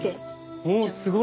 おおすごい。